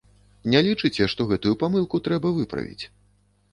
Не лічыце, што гэтую памылку трэба выправіць?